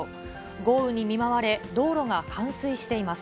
豪雨に見舞われ、道路が冠水しています。